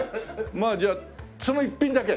まあじゃあその一品だけ？